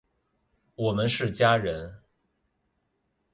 我们是家人！